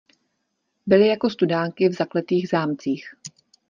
Byly jako studánky v zakletých zámcích.